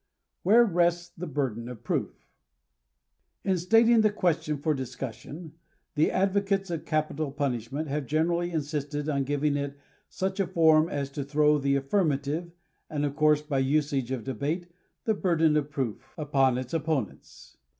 •G. B. Cheever. WHERS RESTS THE BURDEN OF PROOF ? In stating the question for discussion, the advocates of capital pnnishment have generally insisted on giving it such a form as to throw the affirmative, and of course, hy the usages of debate, the burden of proof, upon its opponents.